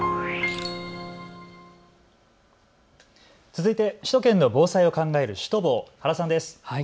続いて首都圏の防災を考えるシュトボー、原さんです。